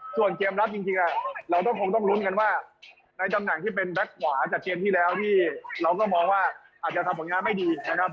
ส่วนเกมรับจริงเราก็คงต้องลุ้นกันว่าในตำแหน่งที่เป็นแบ็คขวาจากเกมที่แล้วที่เราก็มองว่าอาจจะทำผลงานไม่ดีนะครับ